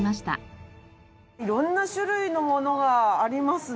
色んな種類のものがありますね。